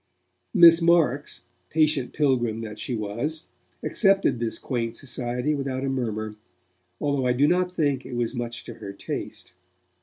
Miss Marks, patient pilgrim that she was, accepted this quaint society without a murmur, although I do not think it was much to her taste.